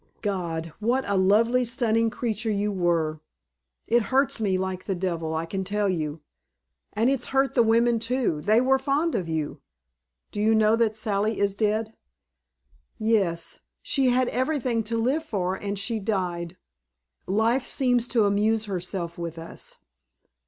God! What a lovely stunning creature you were! It hurts me like the devil, I can tell you. And it's hurt the women too. They were fond of you. Do you know that Sally is dead?" "Yes. She had everything to live for and she died. Life seems to amuse herself with us."